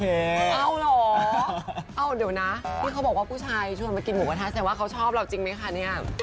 เอาเหรอเอาเดี๋ยวนะที่เขาบอกว่าผู้ชายชวนมากินหมูกระทะแสดงว่าเขาชอบเราจริงไหมคะเนี่ย